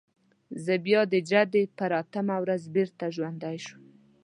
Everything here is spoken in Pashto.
بیا زه د جدي پر اتمه ورځ بېرته ژوندی شوم.